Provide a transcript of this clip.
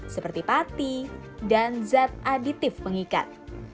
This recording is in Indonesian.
seperti pati dan zat aditif pengikat